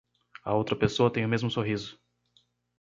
A outra pessoa tem o mesmo sorriso